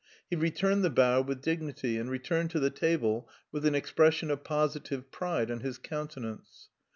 He returned the bow with dignity and returned to the table with an expression of positive pride on his countenance.